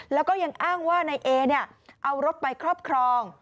แล้วก็ยังอ้างว่านายเอเนี่ยเอารถไปครอบครอง